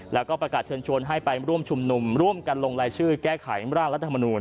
แล้วก็ประกาศเชิญชวนให้ไปร่วมชุมนุมร่วมกันลงรายชื่อแก้ไขร่างรัฐมนูล